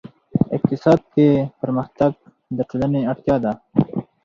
اقتصاد کې پرمختګ د ټولنې اړتیا ده.